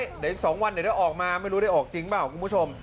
เดี๋ยวอีกสองวันจะได้ออกมาไม่รู้จะได้ออกจริงเปล่ากันคุณผู้ชม